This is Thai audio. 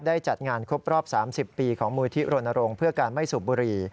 จัดงานครบรอบ๓๐ปีของมูลที่รณรงค์เพื่อการไม่สูบบุรี